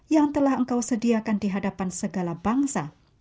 yang telah engkau sediakan di hadapan segala bangsa